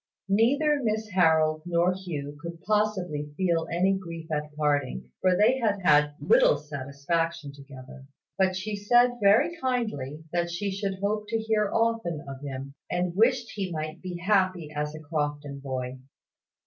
Neither Miss Harold nor Hugh could possibly feel any grief at parting; for they had had little satisfaction together; but she said very kindly that she should hope to hear often of him, and wished he might be happy as a Crofton boy.